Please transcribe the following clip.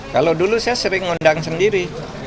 kalau dulu saya sering ngundang sendiri